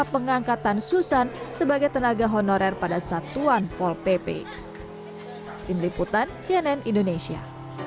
pengangkatan susan sebagai tenaga honorer pada satuan pol pp tim liputan cnn indonesia